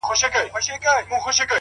عاجزي د درناوي دروازې خلاصوي